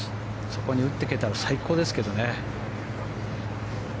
そこに打っていけたら最高ですけどね。